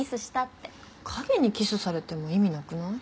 影にキスされても意味なくない？